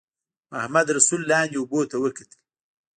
محمدرسول لاندې اوبو ته وکتل.